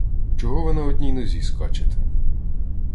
Чого ви на одній нозі скачете?